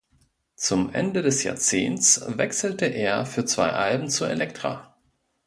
Zum Ende des Jahrzehnts wechselte er für zwei Alben zu Elektra.